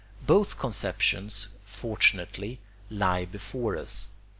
Both conceptions, fortunately, lie before us.